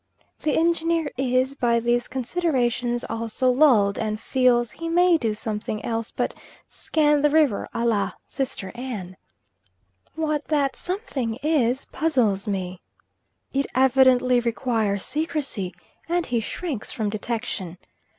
The Engineer is, by these considerations, also lulled, and feels he may do something else but scan the river a la sister Ann. What that something is puzzles me; it evidently requires secrecy, and he shrinks from detection.